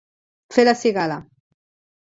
Fer la cigala.